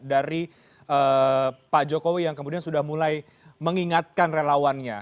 dari pak jokowi yang kemudian sudah mulai mengingatkan relawannya